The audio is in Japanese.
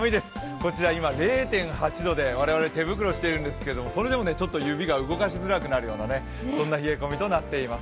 こちら今０．８度で我々、手袋しているんですけれどもそれでも指が動かしづらくなるようなそんな冷え込みとなっています。